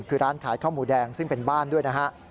คือร้านขายข้าวหมูแดงซึ่งเป็นบ้านด้วยนะฮะ